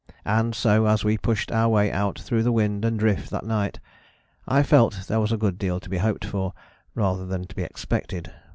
And so as we pushed our way out through the wind and drift that night I felt there was a good deal to be hoped for, rather than to be expected.